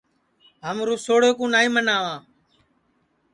ہم رُسوڑے کُو نائی مناواں